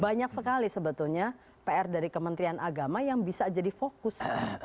banyak sekali sebetulnya pr dari kementerian agama yang bisa jadi fokus